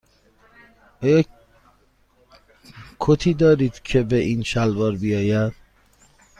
آیا کتی دارید که به این شلوار بیاید؟